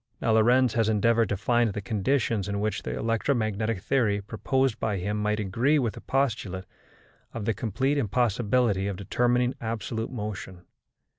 Now Lorentz has endeavoured to find the conditions in which the electromagnetic theory proposed by him might agree with the postulate of the complete impossibility of determining absolute motion.